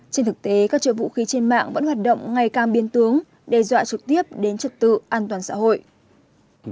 trên thực tế các trợ vũ khí trên mạng vẫn hoạt động ngày càng biến tướng đe dọa trực tiếp đến trật tự an toàn xã hội